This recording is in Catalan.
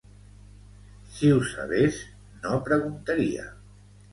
Si ho sabés no preguntaria